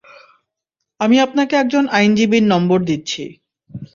আমি আপনাকে একজন আইনজীবীর নম্বর দিচ্ছি।